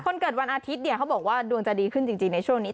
คนเกิดวันอาทิตย์เนี่ยเขาบอกว่าดวงจะดีขึ้นจริงในช่วงนี้